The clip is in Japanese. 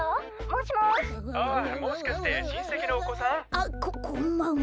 あっここんばんは。